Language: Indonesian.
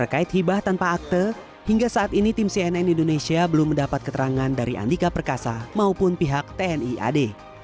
terkait hibah tanpa akte hingga saat ini tim cnn indonesia belum mendapat keterangan dari andika perkasa maupun pihak tni ad